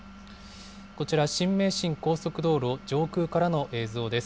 こちら、新名神高速道路上空からの映像です。